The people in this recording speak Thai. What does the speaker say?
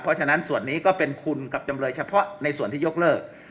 เพราะฉะนั้นส่วนนี้ก็เป็นคุณกับจำเลยเฉพาะในส่วนที่ยกเลิก